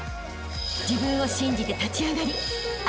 ［自分を信じて立ち上がりあしたへ